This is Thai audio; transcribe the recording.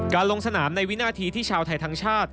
ลงสนามในวินาทีที่ชาวไทยทั้งชาติ